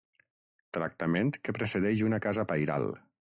Tractament que precedeix una casa pairal.